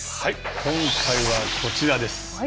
今回はこちらです。